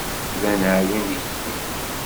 Llan ɛyan deg sin.